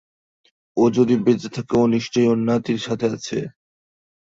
ও যদি বেঁচে থাকে, ও নিশ্চয়ই ওর নাতির সাথে আছে।